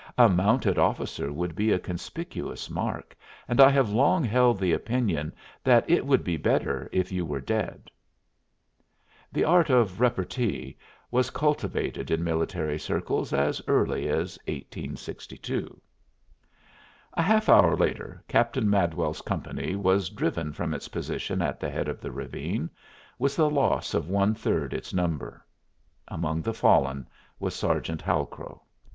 A mounted officer would be a conspicuous mark, and I have long held the opinion that it would be better if you were dead." The art of repartee was cultivated in military circles as early as 1862. A half hour later Captain Madwell's company was driven from its position at the head of the ravine, with a loss of one third its number. Among the fallen was Sergeant Halcrow.